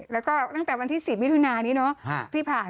แล้วก็ตั้งแต่วันที่๑๐วิทยุนาณนี้ที่ผ่าน